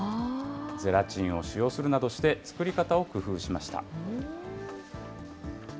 ゼラチンを使用するなどして、作り方を工夫しました。